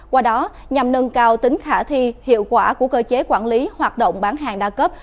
qua đó nhằm nâng cao tính khả thi hiệu quả của cơ chế quản lý hoạt động bán hàng đa cấp